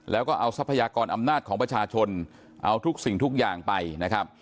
แล้วก็เอาทรัพยากรอำนาจของประชาชนเอาทุกสิ่งทุกอย่างไปนะครับ